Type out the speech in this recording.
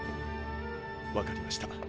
わかりました！